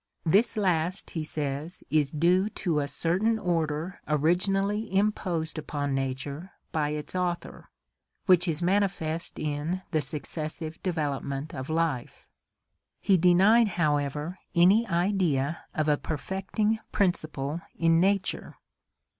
This last he says is due to a certain order originally imposed upon nature by its Author, which is manifest in the successive development of life. He denied, however, any idea of a perfecting principle in nature.